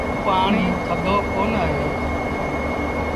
پآڻي ٿڌو ڪونا اهي۔